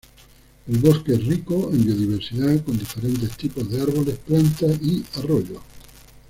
El bosque es rico en biodiversidad, con diferentes tipos de árboles, plantas y arroyos.